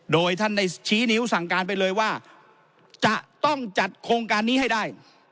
โดยท่านได้ชี้นิ้วสั่งการไปเลยว่าจะต้องจัดโครงการนี้ให้ได้